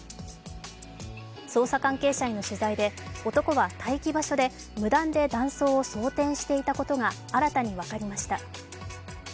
捜査関係者への取材で男は待機場所で無断で弾倉を装てんしていたことが新たに分かりました。